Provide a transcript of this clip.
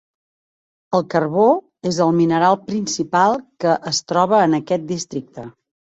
El carbó és el mineral principal que es troba en aquest districte.